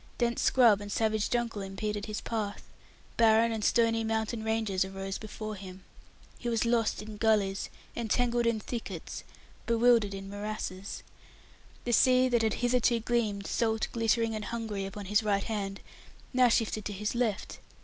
Dense scrub and savage jungle impeded his path; barren and stony mountain ranges arose before him. He was lost in gullies, entangled in thickets, bewildered in morasses. The sea that had hitherto gleamed, salt, glittering, and hungry upon his right hand, now shifted to his left.